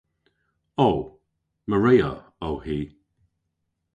O. Maria o hi.